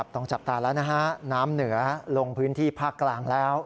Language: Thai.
ต้องจับตาแล้วนะฮะน้ำเหนือลงพื้นที่ภาคกลางแล้ว